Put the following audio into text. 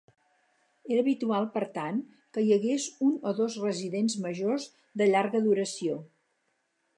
Era habitual per tant que hi hagués un o dos residents majors de llarga duració.